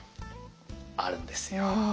あるんですよ。